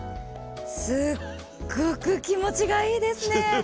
すっごく気持ちがいいですね。